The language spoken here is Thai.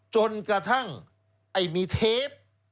จนกระทั่งไอ้มีเทป